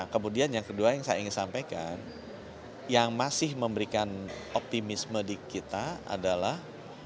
kemudian yang kedua yang saya ingin sampaikan yang masih memberikan optimisme di kita adalah